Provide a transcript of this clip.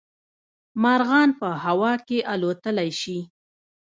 مارغان په هوا کې الوتلی شي